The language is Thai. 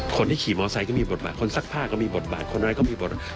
คนที่ขี่มอไซค์ก็มีบทบาทคนซักผ้าก็มีบทบาทคนอะไรก็มีบทบาท